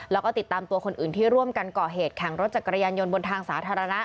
แล้วก็ติดตามตัวคนอื่นที่ร่วมกันก่อเหตุแข่งรถจักรยานยนต์บนทางสาธารณะ